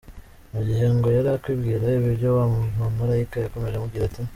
Mu gihe ngo yari akibwira ibyo, wa mumarayika yakomeje amubwira ati :